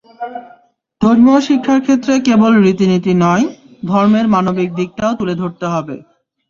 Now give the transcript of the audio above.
ধর্মীয় শিক্ষার ক্ষেত্রে কেবল রীতিনীতি নয়, ধর্মের মানবিক দিকটাও তুলে ধরতে হবে।